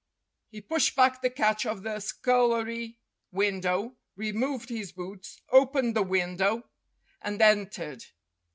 He pushed back the catch of the scullery window, removed his boots, opened the window, and entered.